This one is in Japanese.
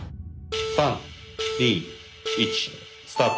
３２１スタート。